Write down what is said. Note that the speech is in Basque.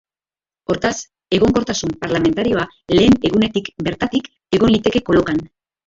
Hortaz, egonkortasun parlamentarioa lehen egunetik bertatik egon liteke kolokan.